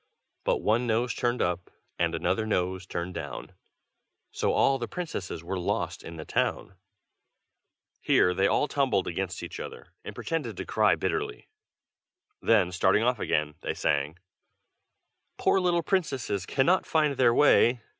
But one nose turned up, and another nose turned down, So all the little princesses were lost in the town. Here they all tumbled against each other, and pretended to cry bitterly; then starting off again, they sang: Poor little princesses cannot find their way!